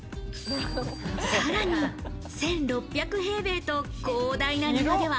さらに１６００平米と広大な庭では